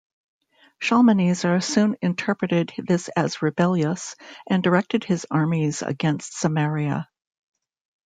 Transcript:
Shalmaneser soon interpreted this as rebellious, and directed his armies against Samaria.